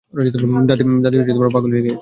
দাদী পাগল হয়ে গেছে।